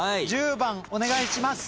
１０番お願いします。